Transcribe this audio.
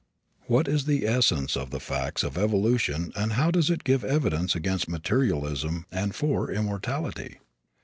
What is the essence of the facts of evolution and how does it give evidence against materialism and for immortality?